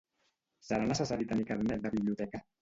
Serà necessari tenir carnet de biblioteca?